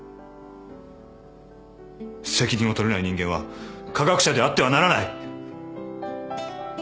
責任を取れない人間は科学者であってはならない！